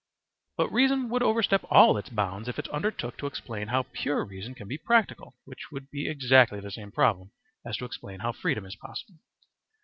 But reason would overstep all its bounds if it undertook to explain how pure reason can be practical, which would be exactly the same problem as to explain how freedom is possible.